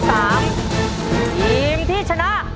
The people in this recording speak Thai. ทีมที่ชนะ